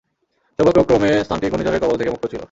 সৌভাগ্যক্রমে স্থানটি ঘূর্ণিঝড়ের কবল থেকে মুক্ত ছিল।